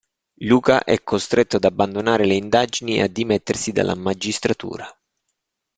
Luca è costretto ad abbandonare le indagini e a dimettersi dalla magistratura.